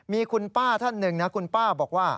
มีคุณป้าท่านหนึ่งนะครับ